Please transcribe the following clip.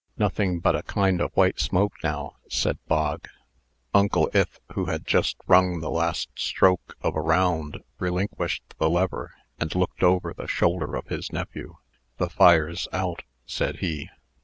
"Nothing but a kind o' white smoke, now," said Bog. Uncle Ith, who had just rung the last stroke of a round, relinquished the lever, and looked over the shoulder of his nephew. "The fire's out," said he.